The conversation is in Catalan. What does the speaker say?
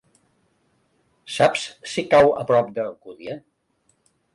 Saps si cau a prop d'Alcúdia?